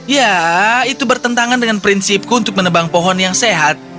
ya itu bertentangan dengan prinsipku untuk menebang pohon yang sehat